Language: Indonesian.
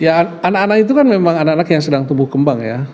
ya anak anak itu kan memang anak anak yang sedang tumbuh kembang ya